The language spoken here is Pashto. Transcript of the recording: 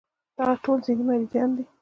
دغه ټول ذهني مريضان دي